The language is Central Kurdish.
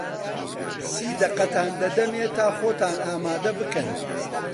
سی دەقەتان دەدەمێ تا خۆتان ئامادە بکەن.